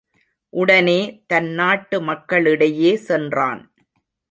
உடனே தன் நாட்டு மக்களிடையே சென்றான்.